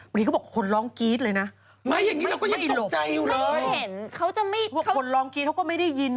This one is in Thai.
บางทีเขาบอกว่าคนร้องกรี๊ดเลยนะ